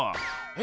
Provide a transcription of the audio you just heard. え！